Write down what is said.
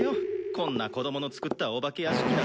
こんな子供の作ったお化け屋敷なんてどうせ。